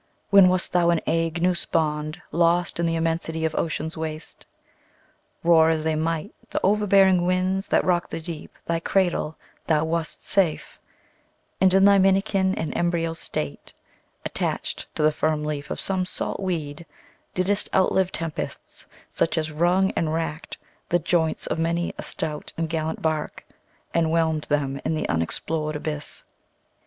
When wast thou an egg new spawn'd, Lost in the immensity of ocean's waste? Roar as they might, the overbearing winds That rock'd the deep, thy cradle, thou wast safe And in thy minikin and embryo state, Attach'd to the firm leaf of some salt weed, Didst outlive tempests, such as wrung and rack'd The joints of many a stout and gallant bark, And whelm'd them in the unexplor'd abyss.